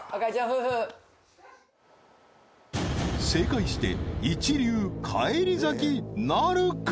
夫婦正解して一流返り咲きなるか？